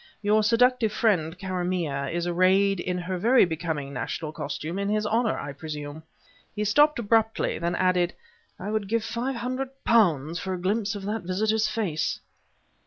Your seductive friend, Karamaneh, is arrayed in her very becoming national costume in his honor, I presume." He stopped abruptly; then added: "I would give five hundred pounds for a glimpse of that visitor's face!"